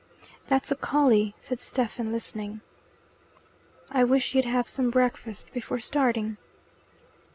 "That's a collie," said Stephen, listening. "I wish you'd have some breakfast before starting."